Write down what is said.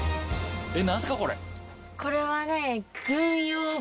これはね。